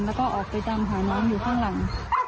แล้วก็ออกไปตามหาน้องอยู่ข้างหลัง